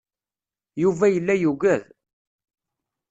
Yuba yella yugad.